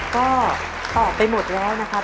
ก็ต่อไปหมดแล้วครับครับ